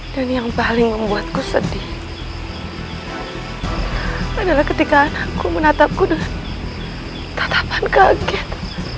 dan yang paling membuatku sedih adalah ketika anakku menatapku dengan tatapan kaget